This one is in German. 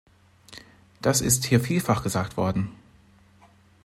Das ist hier vielfach gesagt worden.